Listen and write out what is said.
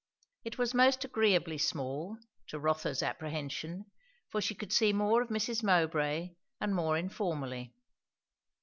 It was most agreeably small, to Rotha's apprehension, for she could see more of Mrs. Mowbray and more informally.